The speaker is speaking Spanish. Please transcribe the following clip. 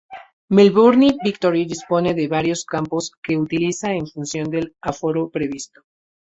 Melbourne Victory dispone de varios campos que utiliza en función del aforo previsto.